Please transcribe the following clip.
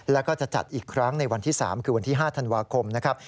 แล้วก็จะจัดอีกครั้งในวันที่๓คือวันที่๕ธันวาคมนะครับ